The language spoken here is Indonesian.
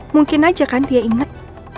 mungkin aja kan dia inget